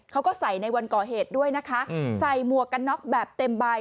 เขาก็ใส่ในวันก่อเหตุด้วยนะคะใส่หมวกกันน็อกแบบเต็มใบ